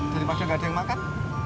jadi maksudnya gak ada yang makan